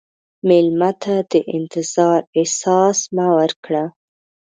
مېلمه ته د انتظار احساس مه ورکړه.